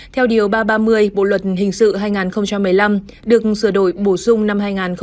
theo điều ba trăm ba mươi bộ luật hình sự hai nghìn một mươi năm được sửa đổi bổ sung năm hai nghìn một mươi bảy